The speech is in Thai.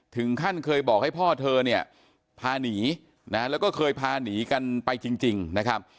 ถึงขั้นเคยบอกให้พ่อเธอเนี่ยพาหนีนะแล้วก็เคยพาหนีกันไปจริงนะครับ